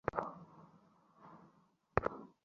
পশ্চাদপসরণের জন্য সুমুন সেতুই তাদের একমাত্র পথ।